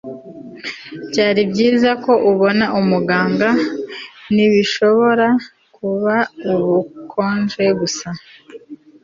Byari byiza ko ubona umuganga ntibishobora kuba ubukonje gusa